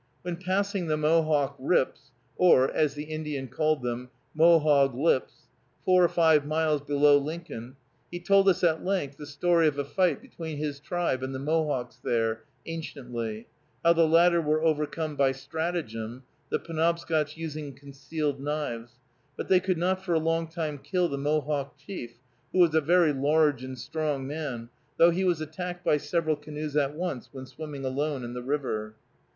When passing the Mohawk Rips, or, as the Indian called them, "Mohog lips," four or five miles below Lincoln, he told us at length the story of a fight between his tribe and the Mohawks there, anciently, how the latter were overcome by stratagem, the Penobscots using concealed knives, but they could not for a long time kill the Mohawk chief, who was a very large and strong man, though he was attacked by several canoes at once, when swimming alone in the river.